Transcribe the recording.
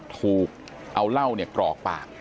ถูกเอาเหล้าเนี่ยปลอกปาก